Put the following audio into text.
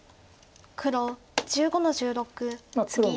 黒１５の十六ツギ。